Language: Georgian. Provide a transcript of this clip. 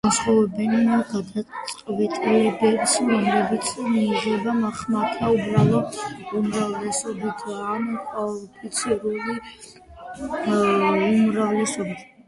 განასხვავებენ გადაწყვეტილებებს, რომლებიც მიიღება ხმათა უბრალო უმრავლესობით ან კვალიფიციური უმრავლესობით.